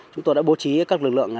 chúng tôi đã bố trí các lực lượng